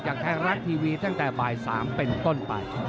ไทยรัฐทีวีตั้งแต่บ่าย๓เป็นต้นไป